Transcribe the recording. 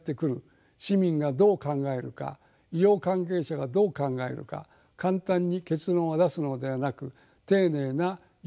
市民がどう考えるか医療関係者がどう考えるか簡単に結論を出すのではなく丁寧な議論説明が必要です。